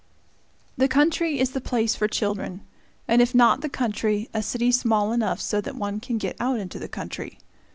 The country is the place for children, and if not the country, a city small enough so that one can get out into the country.